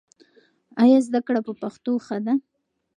ایا زده کړه په پښتو ښه ده؟